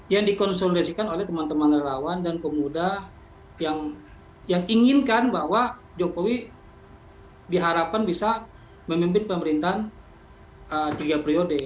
yang dikonsolidasikan oleh teman teman relawan dan pemuda yang inginkan bahwa jokowi diharapkan bisa memimpin pemerintahan tiga periode